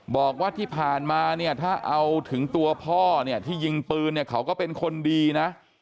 บอกว่าที่ผ่านมาเนี่ยถ้าเอาถึงตัวพ่อเนี่ยที่ยิงปืนเนี่ยเขาก็เป็นคนดีนะ